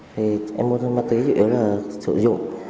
thì em mua ma túy chủ yếu là sử dụng